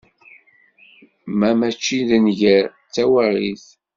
Ma mačči d nnger, d tawaɣit.